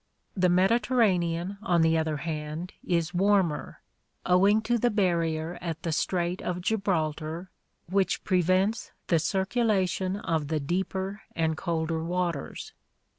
The Mediterranean, on the other hand, is warmer, owing to the barrier at the Strait of Gibraltar, which prevents the circulation of the deeper and colder waters.